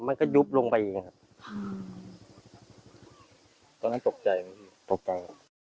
มันก็ยุบลงไปเองครับตอนนั้นตกใจตกใจ